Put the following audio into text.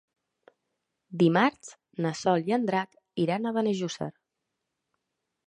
Dimarts na Sol i en Drac iran a Benejússer.